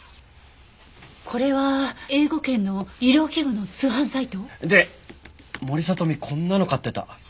これは英語圏の医療器具の通販サイト？で森聡美こんなの買ってた。